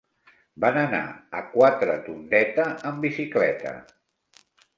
Va anar a Quatretondeta amb bicicleta.